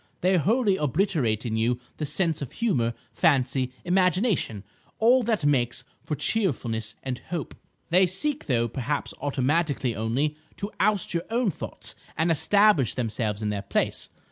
They wholly obliterate in you the sense of humour, fancy, imagination,—all that makes for cheerfulness and hope. They seek, though perhaps automatically only, to oust your own thoughts and establish themselves in their place.